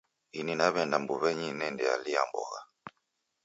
Ini naw'eenda mbuw'enyi nendealia mbogha.